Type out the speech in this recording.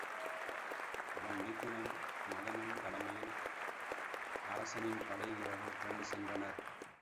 அவன் மைத்துனன் மதனன் தலைமையில் அரசனின் படை வீரர்கள் திரண்டு சென்றனர்.